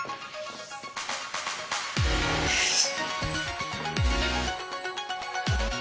よし。